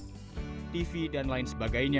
seperti dispenser jet pump tv dan lain sebagainya